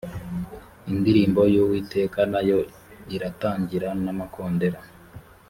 indirimbo y uwiteka na yo iratangira n amakondera